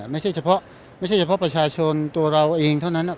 ไม่ใช่แม้ใช่เพราะประชาชนตัวเราเองเท่านั้นนะ